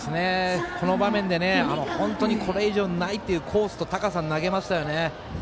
この場面で本当にこれ以上ないっていうコースと高さに投げましたね。